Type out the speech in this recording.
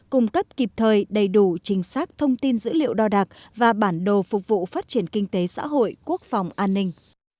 cung cấp kịp thời đầy đủ chính xác thông tin dữ liệu đo đạc và bản đồ phục vụ phát triển kinh tế xã hội quốc phòng an ninh